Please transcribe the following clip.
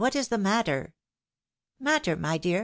what is the matter? "" Matter, my dear